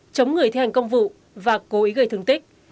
chống người thi hành công vụ và cố ý gây thương tích